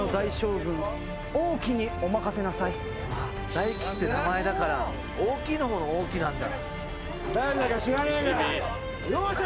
大樹って名前だから大きいの方の王騎なんだ。